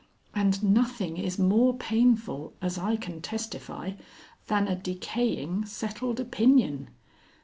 And nothing is more painful as I can testify than a decaying settled opinion....